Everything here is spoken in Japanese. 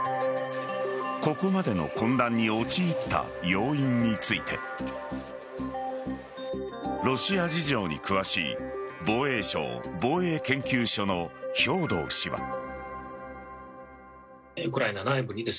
ここまでの混乱に陥った要因についてロシア事情に詳しい防衛省防衛研究所の兵頭氏は。